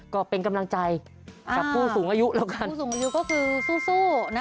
ก็เป็นกำลังใจกับผู้สูงอายุแล้วกันผู้สูงอายุก็คือสู้นะ